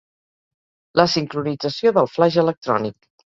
La sincronització del flaix electrònic.